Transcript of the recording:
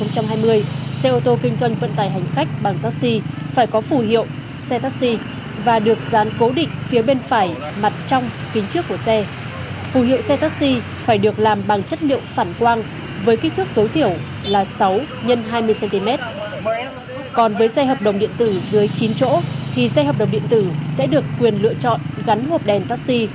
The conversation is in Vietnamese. còn với dây hợp đồng điện tử dưới chín chỗ thì dây hợp đồng điện tử sẽ được quyền lựa chọn gắn ngộp đèn taxi